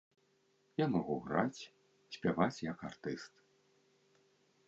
Я магу граць, спяваць як артыст.